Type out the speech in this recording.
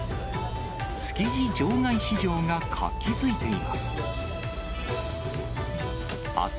築地場外市場が活気づいています。